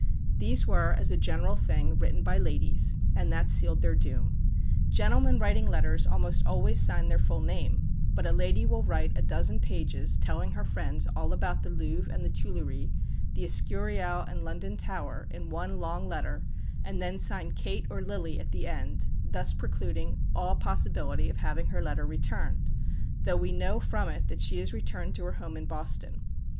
These were, as a general thing, written by ladies and that sealed their doom. Gentlemen writing letters almost always sign their full name; but a lady will write a dozen pages, telling her friends all about the Louvre and the Tuileries, the Escurial and London Tower, in one long letter, and then sign Kate, or Lillie, at the end, thus precluding all possibility of having her letter returned, though we know from it that she has returned to her home in Boston.